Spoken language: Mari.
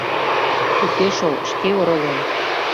— Уке шол, шке оролем.